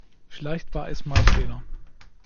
Vielleicht war es mein Fehler.